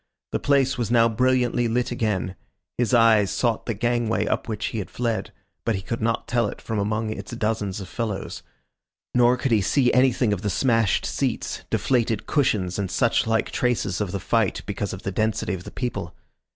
The place was now brilliantly lit again. His eyes sought the gangway up which he had fled, but he could not tell it from among its dozens of fellows; nor could he see anything of the smashed seats, deflated cushions, and such like traces of the fight because of the density of the people.